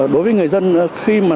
đối với người dân khi mà